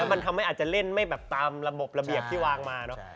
แล้วมันทำให้อาจจะเล่นไม่ตามระบบระเบียบที่วางมา